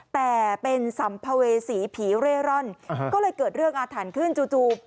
แต่เป็นสัมภเวษีผีเร่ร่อนก็เลยเกิดเรื่องอาถรรพ์ขึ้นจู่